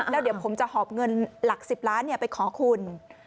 แล้วเดี๋ยวผมจะหอบเงินหลัก๑๐ล้านไปขอคุณ